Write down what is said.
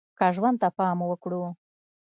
که ژوند ته پام وکړو